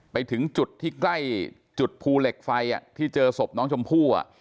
ไปถึงจุดที่ใกล้จุดภูเหล็กไฟที่เจอศพน้องชมพู่